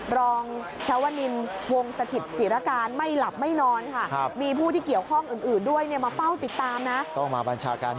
รองเชาวนินวงสถิตจิรการไม่หลับไม่นอนค่ะ